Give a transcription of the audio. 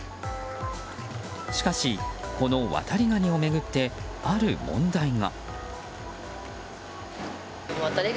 しかし、このワタリガニを巡ってある問題が。